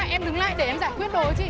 em đứng lại để em giải quyết đồ của chị